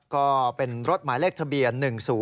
ก็เป็นรถหมายเลขทะเบียน๑๐๔